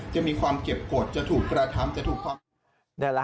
จะมีความเก็บกฎจะถูกกระทำจะถูกความ